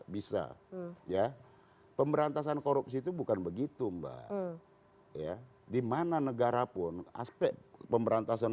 bisa ya pemberantasan korupsi itu bukan begitu mbak ya dimana negara pun aspek pemberantasan